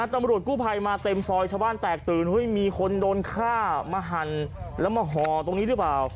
ตำรวจกู้ภัยมาเต็มซอยชาวบ้านแตกตื่นเฮ้ยมีคนโดนฆ่ามาหั่นแล้วมาห่อตรงนี้หรือเปล่า